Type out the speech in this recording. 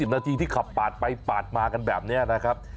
นาทีที่ขับปาดไปปาดมากันแบบนี้นะครับ